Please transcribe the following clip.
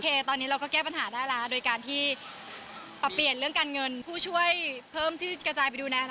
ตอนนี้เราก็แก้ปัญหาได้แล้วโดยการที่ปรับเปลี่ยนเรื่องการเงินผู้ช่วยเพิ่มที่กระจายไปดูแล